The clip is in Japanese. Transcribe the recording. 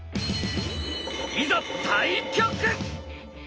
いざ対局！